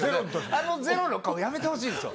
あのゼロの顔やめてほしいんですよ。